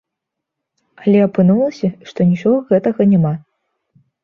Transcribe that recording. Але апынулася, што нічога гэтага няма.